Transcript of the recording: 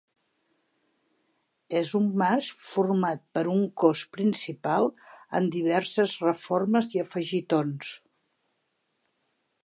És un mas format per un cos principal amb diverses reformes i afegitons.